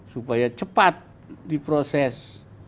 supaya cepat diproses